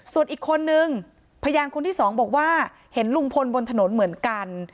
ส่วนอีกคนนึงพยานคนที่สองบอกว่าเห็นลุงพลบนถนนเหมือนกัน